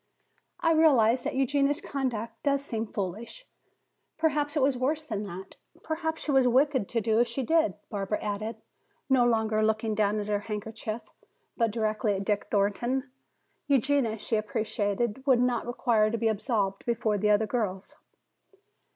"I realize that Eugenia's conduct does seem foolish. Perhaps it was worse than that; perhaps she was wicked to do as she did," Barbara added, no longer looking down at her handkerchief, but directly at Dick Thornton. Eugenia, she appreciated, would not require to be absolved before the other girls.